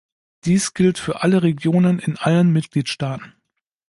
Dies gilt für alle Regionen in allen Mitgliedstaaten.